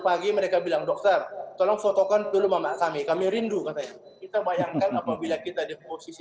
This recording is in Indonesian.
pagi mereka bilang dokter tolong fotokan dulu mama kami kami rindu katanya kita bayangkan apabila kita di posisi